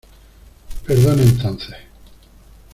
perdone entonces.